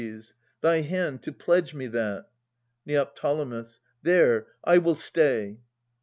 Thy hand, to pledge me that ! Neo. There, I will stay.